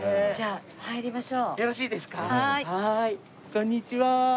こんにちは。